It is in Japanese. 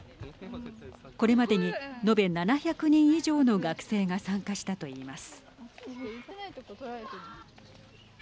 これまでに延べ７００人以上の学生が参加したと言います。